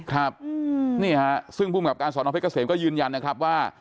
ครับนี่ฮะซึ่งภูมิกับการสอนอเพชรเกษมก็ยืนยันนะครับว่า